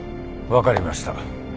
分かりました。